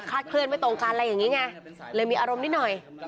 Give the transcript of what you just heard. เคลื่อนไม่ตรงกันอะไรอย่างนี้ไงเลยมีอารมณ์นิดหน่อย